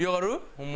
ホンマ？